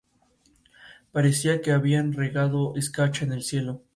El dolmen está situado en la playa de estacionamiento del complejo deportivo del círculo.